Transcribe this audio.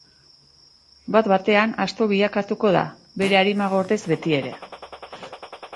Bat batean, asto bilakatuko da, bere arima gordez betiere.